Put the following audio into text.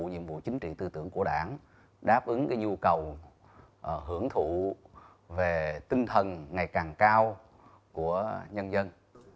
nhiệm vụ chính trị tư tưởng của đảng đáp ứng nhu cầu hưởng thụ về tinh thần ngày càng cao của nhân dân